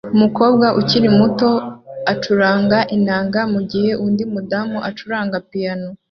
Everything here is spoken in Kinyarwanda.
Umukobwa ukiri muto acuranga inanga mugihe undi mudamu acuranga piyano